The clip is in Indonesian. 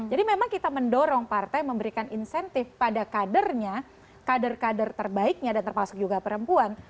jadi memang kita mendorong partai memberikan insentif pada kadernya kader kader terbaiknya dan termasuk juga perempuan